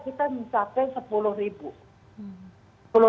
kita mencapai sepuluh ribu